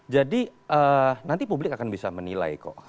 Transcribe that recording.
jadi nanti publik akan bisa menilai kok